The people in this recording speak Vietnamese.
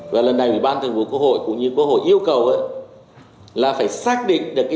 và lần này ủy ban thường vụ quốc hội cũng như quốc hội yêu cầu là phải xác định được